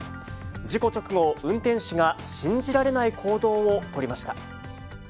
事故直後、運転手が信じられない行動を取りました。